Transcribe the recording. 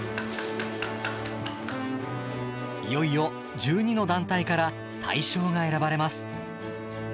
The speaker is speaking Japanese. いよいよ１２の団体から大賞が選ばれます。